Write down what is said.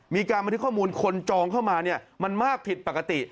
มีการบันทึกข้อมูลคนจองเข้ามามันมากผิดปกติ